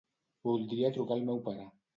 Voldria trucar al meu pare.